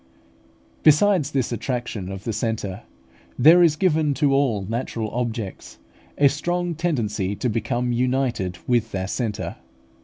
Besides this attraction of the centre, there is given to all natural objects a strong tendency to become united with their centre.